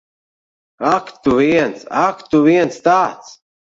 Ak tu viens. Ak, tu viens tāds!